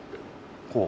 こう？